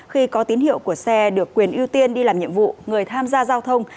khi có tín hiệu của xe được quyền ưu tiên đi làm nhiệm vụ người tham gia giao thông